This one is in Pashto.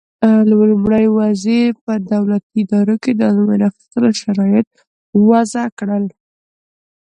لومړي وزیر په دولتي ادارو کې د ازموینې اخیستو شرایط وضع کړل.